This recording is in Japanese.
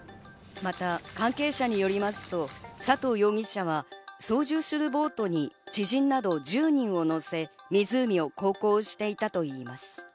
また、関係者によりますと、佐藤容疑者は操縦するボートに知人など１０人を乗せ、湖を航行していたといいます。